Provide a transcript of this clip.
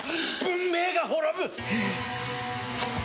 文明が滅ぶ！